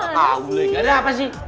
bapak tuh dari mana sih